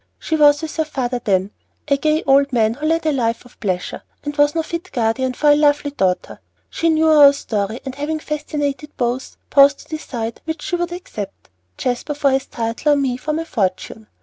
She was with her father then, a gay old man who led a life of pleasure, and was no fit guardian for a lovely daughter. She knew our story and, having fascinated both, paused to decide which she would accept: Jasper, for his title, or me, for my fortune.